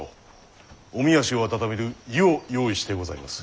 おみ足を温める湯を用意してございます。